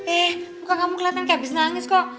eh muka kamu kelihatan kayak habis nangis kok